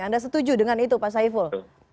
anda setuju dengan itu pak saiful